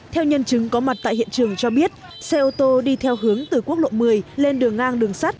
theo nhân chứng có mặt tại hiện trường cho biết xe ô tô đi theo hướng từ quốc lộ một mươi lên đường ngang đường sắt